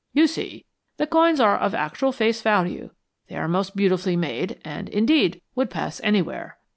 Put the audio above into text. You see, the coins are of actual face value, they are most beautifully made, and, indeed, would pass anywhere.